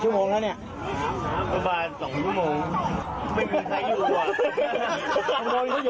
เชื่ออะไรเราเชื่ออะไรจำเชื่อใส่ได้ไหมเนี่ย